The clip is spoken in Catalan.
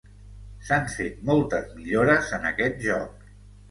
S'han fet moltes millores en aquest joc.